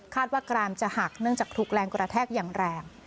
ว่ากรามจะหักเนื่องจากถูกแรงกระแทกอย่างแรง